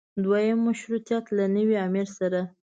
دویم مشروطیت له نوي امیر سره.